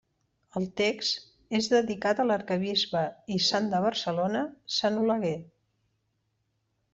El text és dedicat a l'arquebisbe i sant de Barcelona, Sant Oleguer.